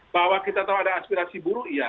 bahwa kita tahu ada aspirasi buruh iya